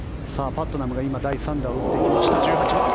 パットナムが今第３打を打ってきました。